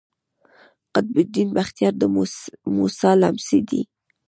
قطب الدین بختیار د موسی لمسی دﺉ.